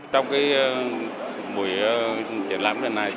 trong buổi triển lãm này